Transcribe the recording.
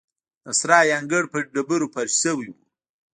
د سرای انګړ په ډبرو فرش شوی و.